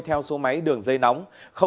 theo số máy đường dây nóng